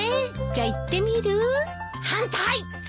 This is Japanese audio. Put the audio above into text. じゃ行ってみる？